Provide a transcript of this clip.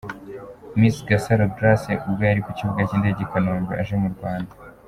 Miss Gasaro Grace ubwo yari ku kibuga cy'indege i Kanombe aje mu Rwanda.